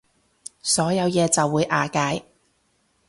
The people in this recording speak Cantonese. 所有嘢就會瓦解